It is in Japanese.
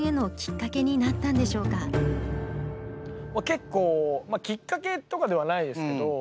けっこうまあきっかけとかではないですけど。